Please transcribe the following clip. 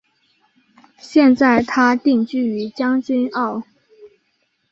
现今她定居于将军澳。